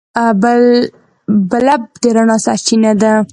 بلب د رڼا سرچینه ده.